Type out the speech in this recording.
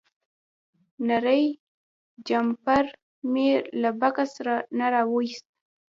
نری جمپر مې له بکس نه راوویست.